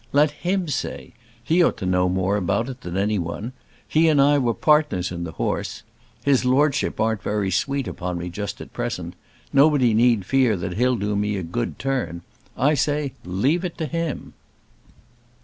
Let him say. He ought to know more about it than any one. He and I were partners in the horse. His Lordship aren't very sweet upon me just at present. Nobody need fear that he'll do me a good turn. I say leave it to him."